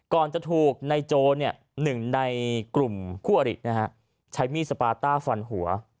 ก่อนจะถูกในโจหนึ่งในกลุ่มคู่อริใช้มีดสปาต้าฟันหัว